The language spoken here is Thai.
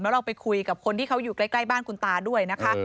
แล้วเราไปคุยกับคนที่เขาอยู่ใกล้บ้านคุณตาด้วยนะคะ